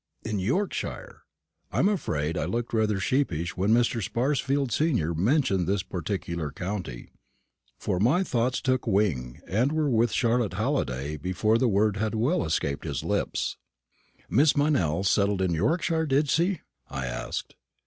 In Yorkshire! I am afraid I looked rather sheepish when Mr. Sparsfield senior mentioned this particular county, for my thoughts took wing and were with Charlotte Halliday before the word had well escaped his lips. "Miss Meynell settled in Yorkshire, did she?" I asked.